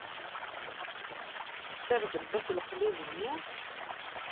Tessardemt akk leqlud-nni?